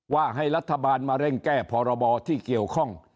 ว่าให้รัฐบาลมาเร่งแก้พรบที่เกี่ยวข้อง